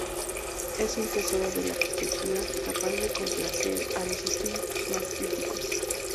Es un tesoro de la arquitectura capaz de complacer a los espíritus más críticos.